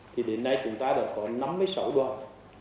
thì đến nay chúng ta đã có năm mươi sáu đoàn